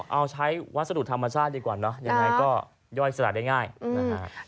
เอาใช้วัสดุธรรมชาติดีกว่าเนอะยังไงก็ย่อยสละได้ง่ายนะฮะ